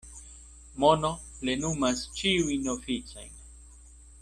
Mono plenumas ĉiujn oficojn.